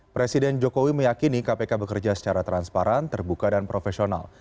presiden jokowi meyakini kpk bekerja secara transparan terbuka dan profesional